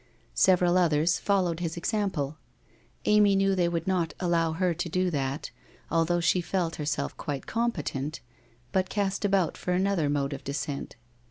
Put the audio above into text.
Several others followed his example. Amy knew they would not allow her to do that, although she felt herself quite competent, but cast about for another mode of descent.